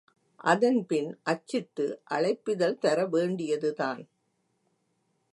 அதன்பின் அச்சிட்டு அழைப்பிதழ் தரவேண்டியதுதான்.